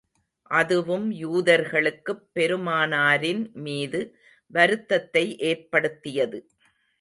அதுவும் யூதர்களுக்குப் பெருமானாரின் மீது வருத்தத்தை ஏற்படுத்தியது.